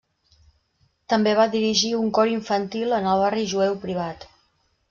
També va dirigir un cor infantil en el barri jueu privat.